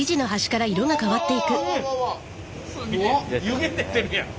湯気出てるやん！